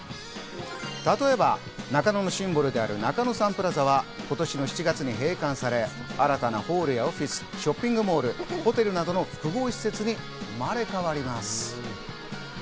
例えば、中野のシンボルである中野サンプラザは今年の７月に閉館され、新たなホールやオフィス、ショッピングモールなどの複合施設に生まれ変わります。